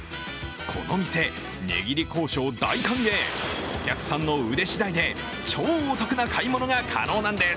この店、値切り交渉大歓迎お客さんの腕しだいで超お得な買い物が可能なんです。